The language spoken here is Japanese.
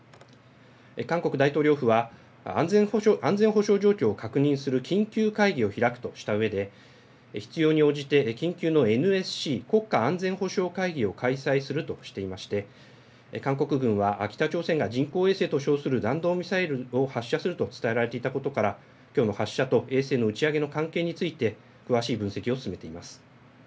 韓国大統領府は安全保障状況を確認する緊急会議を開くとしたうえで必要に応じて緊急のＮＳＣ・国家安全保障会議を開催するとしていまして韓国軍は北朝鮮が人工衛星と称する弾道ミサイルを発射すると伝えられていたことからきょうの発射と衛星の打ち上げの関係について詳しい分析を進めています。